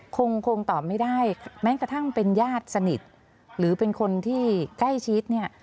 คงคงตอบไม่ได้แม้กระทั่งเป็นญาติสนิทหรือเป็นคนที่ใกล้ชิดเนี่ย